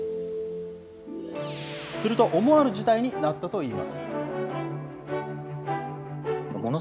すると、思わぬ事態になったといいます。